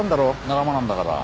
仲間なんだから。